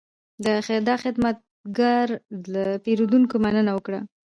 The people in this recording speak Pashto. دا خدمتګر له پیرودونکو مننه وکړه.